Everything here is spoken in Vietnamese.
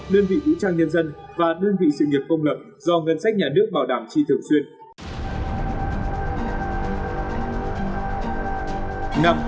đơn vị vũ trang nhân dân và đơn vị sự nghiệp công lập do ngân sách nhà nước bảo đảm chi thường xuyên